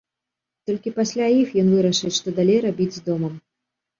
Толькі пасля іх ён вырашыць, што далей рабіць з домам.